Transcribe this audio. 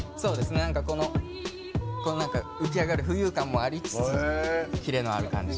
この浮き上がる浮遊感もありつつキレのある感じ。